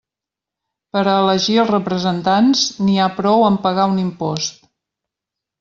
Per a elegir els representants, n'hi ha prou amb pagar un impost.